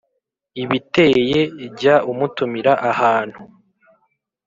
ibiteye, jya umutumira ahantu